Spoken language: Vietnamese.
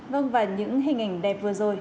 vâng và những hình ảnh đẹp vừa rồi